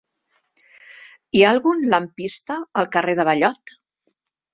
Hi ha algun lampista al carrer de Ballot?